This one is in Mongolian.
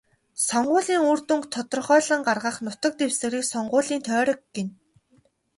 Сонгуулийн үр дүнг тодорхойлон гаргах нутаг дэвсгэрийг сонгуулийн тойрог гэнэ.